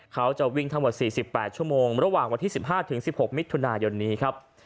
เขาจะวิ่งทั้งหมด๔๘ชั่วโมงระหว่างวันที่๑๕๑๖มิถุนายนนี้ครับ